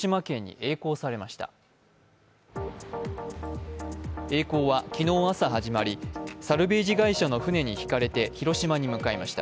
えい航は昨日朝始まりサルベージ会社の船にひかれて広島に向かいました。